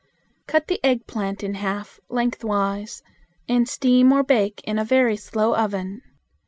Cut the eggplant in half lengthwise, and steam or bake in a very slow oven.